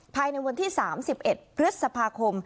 ภายในวันที่๓๑พฤษภาคม